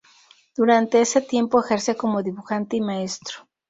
Durante ese tiempo ejerce como dibujante y maestro.